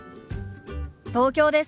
東京です。